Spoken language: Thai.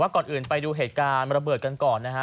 ก่อนอื่นไปดูเหตุการณ์ระเบิดกันก่อนนะฮะ